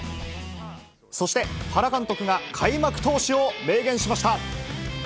そして、原監督が開幕投手を明言しました。